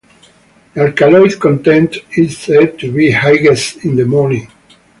The alkaloid content is said to be highest in the morning.